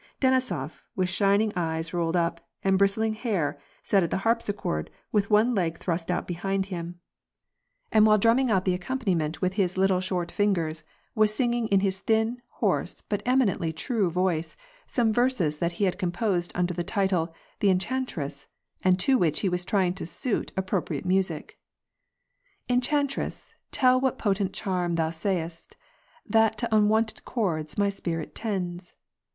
Denisof, with shining eyes rolled up, and bristling hair, sat at the harpsichord with one leg thrust out behind him, and while WAR AND PEACE. 69 dninuning out the accompaniment with his little, short fin gers, was singing in his thin, hoarse, but eminently true voice, some verses that he had composed under the title <^The Enchantress," and to which he was trying to suit appro priate music, —" Enchantress, tell what potent charm thou swayest, That to unwonted chords my spirit tends